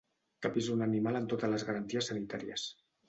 Capis un animal amb totes les garanties sanitàries.